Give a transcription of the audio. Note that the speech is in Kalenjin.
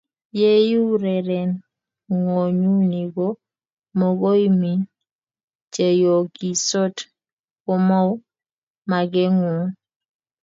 yeiurerenen ng'onyuni ko mokoimin cheyookisot komou makeng'ung